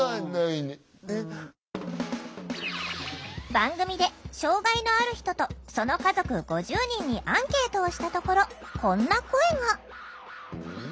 番組で障害のある人とその家族５０人にアンケートをしたところこんな声が。